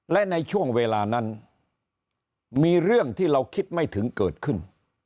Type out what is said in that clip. และในช่วงเวลานั้นมีเรื่องที่เราคิดไม่ถึงเกิดขึ้น